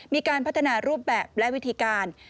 มีการพัฒนารูปแบบและวิธีการ